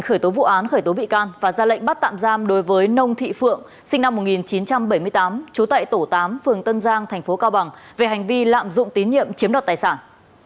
khởi tố vụ án khởi tố bị can và ra lệnh bắt tạm giam đối với nông thị phượng sinh năm một nghìn chín trăm bảy mươi tám trú tại tổ tám phường tân giang thành phố cao bằng về hành vi lạm dụng tín nhiệm chiếm đoạt tài sản